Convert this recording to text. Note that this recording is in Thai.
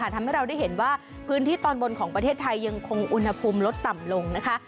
ทำให้เราได้เห็นว่าพื้นที่ตอนบนของประเทศไทยยังคงอุณหภูมิลดต่ำลงนะคะ